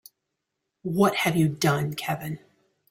What have you done Kevin?